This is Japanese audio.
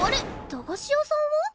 駄菓子屋さんは？